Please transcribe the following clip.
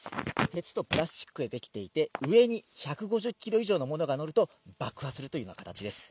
鉄とプラスチックで出来ていて、上に１５０キロ以上のものが載ると、爆発するというような形です。